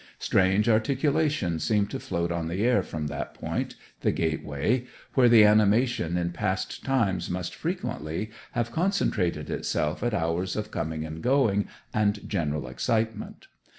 Strange articulations seem to float on the air from that point, the gateway, where the animation in past times must frequently have concentrated itself at hours of coming and going, and general excitement.